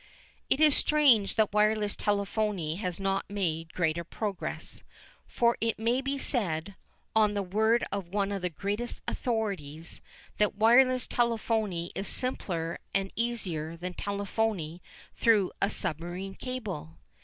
It is strange that wireless telephony has not made greater progress, for it may be said, on the word of one of the greatest authorities, that wireless telephony is simpler and easier than telephony through a submarine cable.